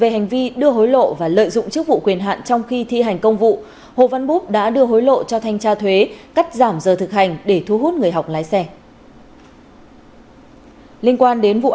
hồ văn búp đã đưa hối lộ cho thanh tra thuế cắt giảm giờ thực hành để thu hút người học lái xe